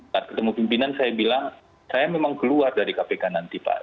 saat ketemu pimpinan saya bilang saya memang keluar dari kpk nanti pak